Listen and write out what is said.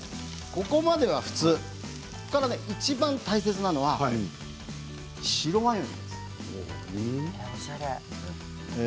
ここまでは普通ただいちばん大切なのは白ワインです。